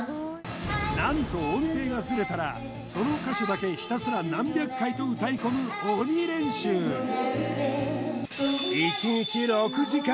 何と音程がズレたらその箇所だけひたすら何百回と歌い込む鬼練習１日６時間